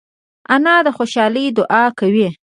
انا د خوشحالۍ دعا کوي